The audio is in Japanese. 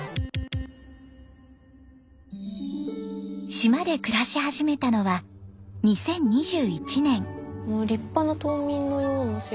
島で暮らし始めたのは２０２１年。